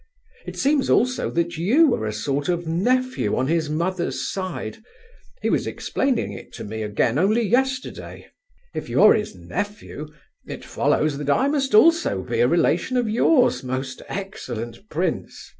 It seems also that you are a sort of nephew on his mother's side; he was explaining it to me again only yesterday. If you are his nephew, it follows that I must also be a relation of yours, most excellent prince.